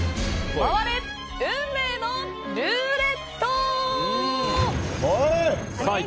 回れ、運命のルーレット！